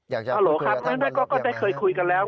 อยากจะพูดคุยกับท่านวันลบอย่างไรนะครับครับอันนี้ก็ได้เคยคุยกันแล้ว